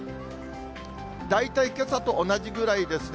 大体けさと同じぐらいですね。